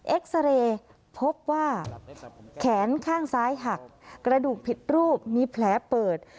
เอ็กซาเรย์พบว่าแขนข้างซ้ายหักกระดูกผิดรูปมีแผลเปิด